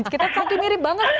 kita kaki mirip banget